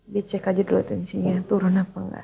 di cek aja dulu intensinya turun apa enggak